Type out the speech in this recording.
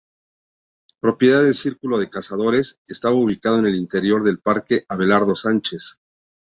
Propiedad del Círculo de Cazadores, estaba ubicado en el interior del Parque Abelardo Sánchez.